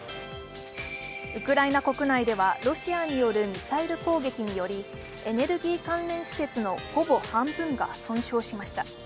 ウクライナ国内ではロシアによるミサイル攻撃によりエネルギー関連施設のほぼ半分が損傷しました。